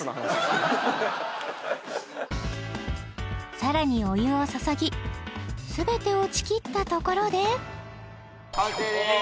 さらにお湯を注ぎすべて落ちきったところで完成です